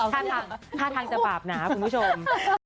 ถ้าทางจะบาปหนาคุณผู้ชม